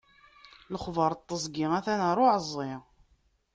Lexbaṛ n teẓgi, a-t-an ar uɛeẓẓi.